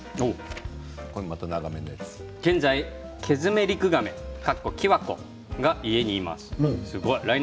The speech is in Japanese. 現在ケヅメリクガメが家にいます。